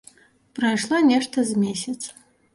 Прайшло нешта з месяц.